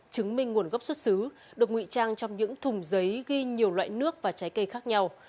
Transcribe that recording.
chứng minh nguồn gốc xuất xứ được nguy trang trong những thùng giấy ghi nhiều loại nguyên liệu